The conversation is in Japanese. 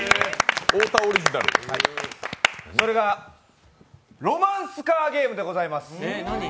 それが、ロマンスカーゲームでございます。